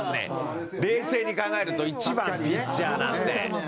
冷静に考えると１番、ピッチャーなんて。